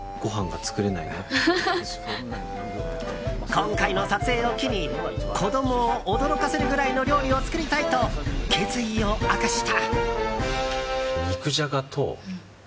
今回の撮影を機に子供を驚かせるぐらいの料理を作りたいと決意を明かした。